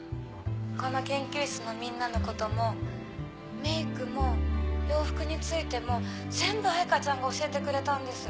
この研究室のみんなのこともメイクも洋服についても全部藍花ちゃんが教えてくれたんです。